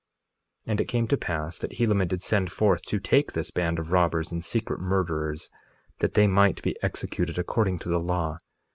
2:10 And it came to pass that Helaman did send forth to take this band of robbers and secret murderers, that they might be executed according to the law.